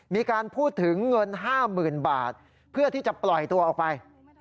มีการพูดถึงเงิน๕๐๐๐บาทเพื่อที่จะปล่อยตัวออกไป